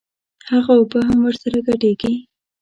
هغه اوبه هم ورسره ګډېږي.